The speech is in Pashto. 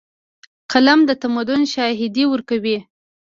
قلم د تمدن شاهدي ورکوي.